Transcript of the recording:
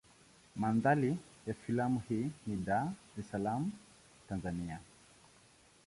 Mandhari ya filamu hii ni Dar es Salaam Tanzania.